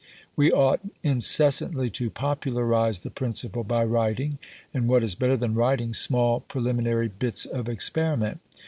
We ought incessantly to popularise the principle by writing; and, what is better than writing, small preliminary bits of experiment.